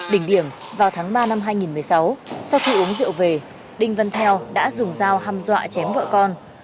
đỉnh biển vào tháng ba năm hai nghìn một mươi sáu sau khi uống rượu về đinh vân theo đã dùng dao hăm dọa chém vợ con